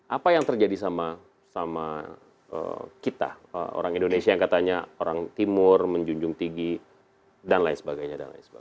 apa yang terjadi sama kita orang indonesia yang katanya orang timur menjunjung tinggi dan lain sebagainya